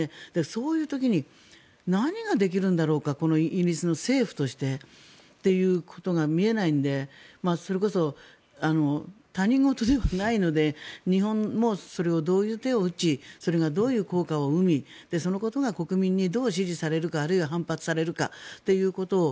そういう時に何ができるんだろうかイギリスの政府としてということが見えないのでそれこそ他人事ではないので日本もそれを、どういう手を打ちそれがどういう効果を生みそのことが国民にどう支持されるか、あるいは反発されるかということを